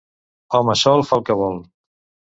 Home sol fa el que vol.